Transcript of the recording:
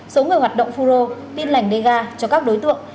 số người hoạt động phù rô tin lệnh dega cho các đối tượng